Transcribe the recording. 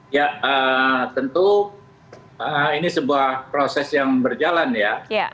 ya tentu ini sebuah proses yang berjalan ya